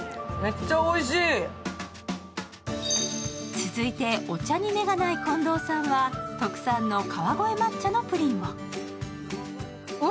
続いてお茶に目がない近藤さんは特産の河越抹茶のプリンを。